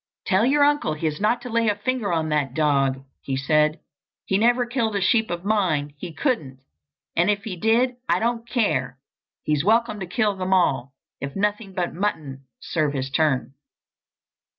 "Tell your uncle he is not to lay a finger on that dog!" he said. "He never killed a sheep of mine—he couldn't! And if he did I don't care! He's welcome to kill them all, if nothing but mutton'll serve his turn."